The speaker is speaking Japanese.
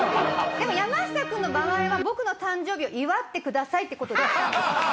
でも山下君の場合は僕の誕生日を祝ってくださいって来たんです。